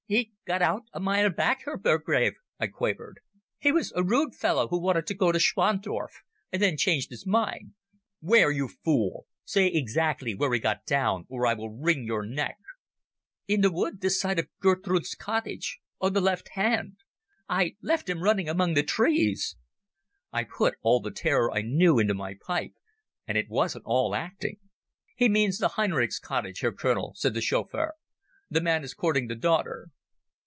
"He got out a mile back, Herr Burgrave," I quavered. "He was a rude fellow who wanted to go to Schwandorf, and then changed his mind." "Where, you fool? Say exactly where he got down or I will wring your neck." "In the wood this side of Gertrud's cottage ... on the left hand. I left him running among the trees." I put all the terror I knew into my pipe, and it wasn't all acting. "He means the Henrichs' cottage, Herr Colonel," said the chauffeur. "This man is courting the daughter."